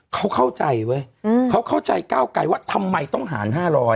เขาเข้าใจเว้ยเขาเข้าใจก้าวไกลว่าทำไมต้องหาร๕๐๐